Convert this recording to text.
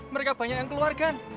mereka banyak yang keluar kan